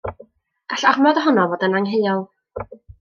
Gall ormod ohono fod yn angheuol.